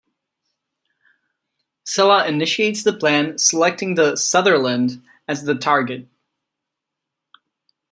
Sela initiates the plan, selecting the "Sutherland" as the target.